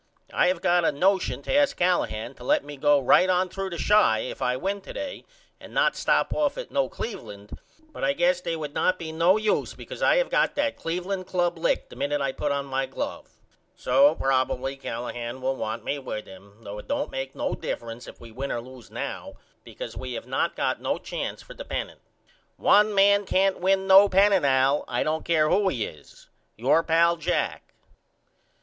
I have got a nosion to ask Callahan to let me go right on threw to Chi if I win to day and not stop off at no Cleveland but I guess they would not be no use because I have got that Cleveland Club licked the minute I put on my glove. So probily Callahan will want me with him though it don't make no difference if we win or lose now because we have not got no chance for the pennant. One man can't win no pennant Al I don't care who he is. Your pal, JACK.